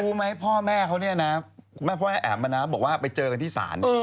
รู้ไหมพ่อแม่เขาเนี่ยนะแม่พ่อแม่แอ๋มมานะบอกว่าไปเจอกันที่ศาล